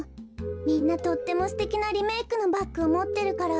みんなとってもすてきなリメークのバッグをもってるから。